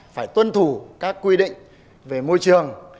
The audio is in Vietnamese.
phải tuân thủ các quy định về môi trường